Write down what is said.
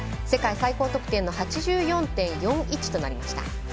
世界最高得点の８４．４１となりました。